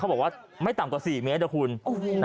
เกล็ดเขาทำไมมันขาวน้วนอย่างที่คุณดาวว่ะ